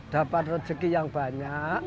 dapat rezeki yang banyak